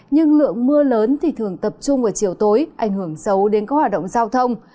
nhưng lượng mưa lớn thì thường tập trung vào chiều tối ảnh hưởng xấu đến các hoạt động giao thông